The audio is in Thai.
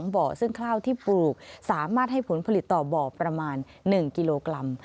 บ่อซึ่งข้าวที่ปลูกสามารถให้ผลผลิตต่อบ่อประมาณ๑กิโลกรัม